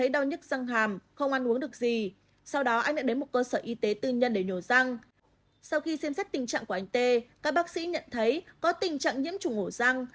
sau khi xem xét tình trạng của anh t các bác sĩ nhận thấy có tình trạng nhiễm chủng hổ răng